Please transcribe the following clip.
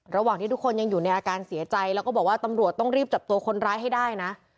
ระหว่างที่ทุกคนยังอยู่ในอาการเสียใจแล้วก็บอกว่าตำรวจต้องรีบจับตัวคนร้ายให้ได้นะ